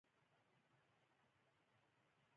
انار د هاضمې سیستم پیاوړی کوي.